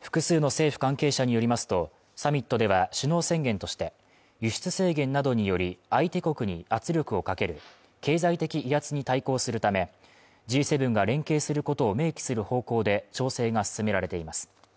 複数の政府関係者によりますと、サミットでは首脳宣言として輸出制限などにより、相手国に圧力をかける経済的威圧に対抗するためＧ７が連携することを明記する方向で調整が進められています。